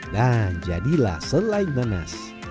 dan jadilah selai nanas